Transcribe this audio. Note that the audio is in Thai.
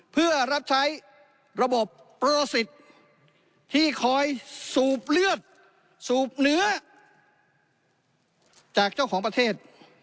เพื่อรับใช้ระบบโปรสิทธิ์ที่คอยสูบเลือดสูบเนื้อจากเจ้าของประเทศ